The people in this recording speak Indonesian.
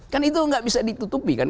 kan itu nggak bisa ditutupi kan